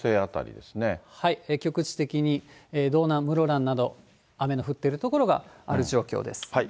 局地的に道南、室蘭など、雨の降っている所がある状況です。